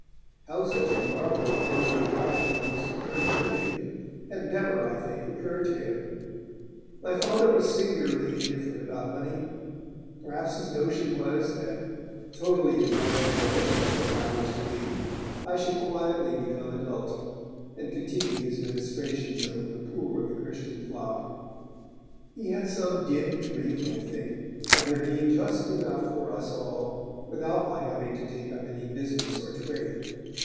How such a marvel of lowly piety was to earn a living had never, I think, occurred to him. My Father was singularly indifferent about money. Perhaps his notion was that, totally devoid of ambitions as I was to be, I should quietly become adult, and continue his ministrations among the poor of the Christian flock. He had some dim dream, I think, of there being just enough for us all without my having to take up any business or trade.